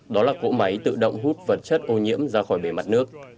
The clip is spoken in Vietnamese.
đó là cỗ máy tự động hút vật chất ô nhiễm ra khỏi bề mặt nước